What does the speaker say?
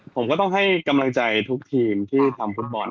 ผมก็ต้องให้กำลังใจทุกทีมที่ทำฟุตบอล